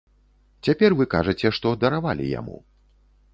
Цяпер вы кажаце, што даравалі яму.